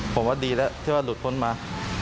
ผมว่าดีแล้วที่ว่าหลุดพ้นมา